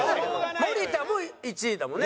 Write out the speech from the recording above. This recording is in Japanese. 森田も１位だもんね？